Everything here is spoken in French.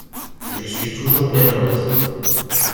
Je suis toujours bien heureuse.